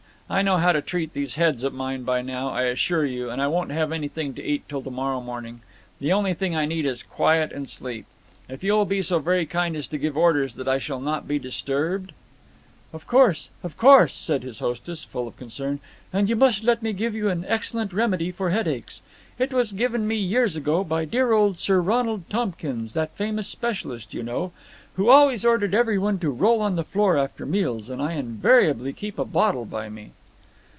I know how to treat these heads of mine by now, I assure you, and I won't have anything to eat till to morrow morning. The only thing I need is quiet and sleep. If you will be so very kind as to give orders that I shall not be disturbed...." "Of course, of course," said his hostess, full of concern. "And you must let me give you an excellent remedy for headaches. It was given me years ago by dear old Sir Ronald Tompkins, that famous specialist, you know, who always ordered every one to roll on the floor after meals, and I invariably keep a bottle by me."